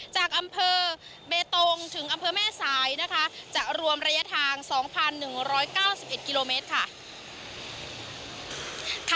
จากอำเภอเบตงถึงอำเภอแม่สายนะคะจะรวมระยะทาง๒๑๙๑กิโลเมตรค่ะ